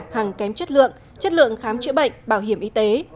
hàng kém chất lượng chất lượng khám chữa bệnh bảo hiểm y tế